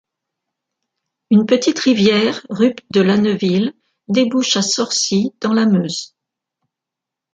Une petite rivière, Rupt de Laneuville, débouche à Sorcy dans la Meuse.